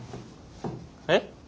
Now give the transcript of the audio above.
えっ？